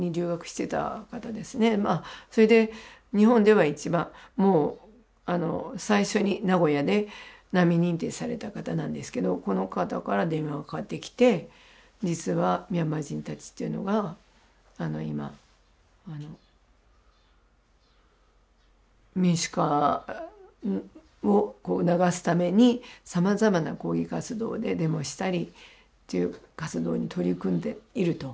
それで日本では一番最初に名古屋で難民認定された方なんですけどこの方から電話がかかってきて実はミャンマー人たちっていうのが今民主化を促すためにさまざまな抗議活動でデモしたりっていう活動に取り組んでいると。